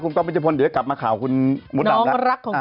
ขอดูดีแม็กก่อนได้ไหมครับ